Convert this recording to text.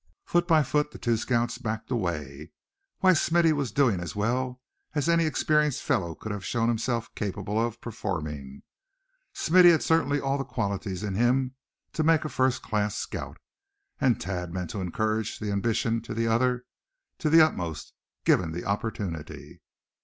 Foot by foot the two scouts backed away. Why, Smithy was doing as well as any experienced fellow could have shown himself capable of performing. Smithy had certainly all the qualities in him to make a first class scout; and Thad meant to encourage the ambition of the other to the utmost, given the opportunity.